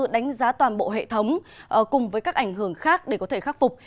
đánh giá toàn bộ hệ thống cùng với các ảnh hưởng khác để có thể khắc phục